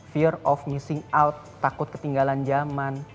fear of missing out takut ketinggalan zaman